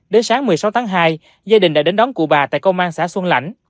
đến sáng một mươi sáu tháng hai gia đình đã đến đón cụ bà tại công an xã xuân lãnh